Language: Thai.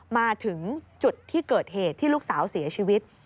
มาถึงจุดที่เกิดเหตุที่ลูกสาวเสียชีวิต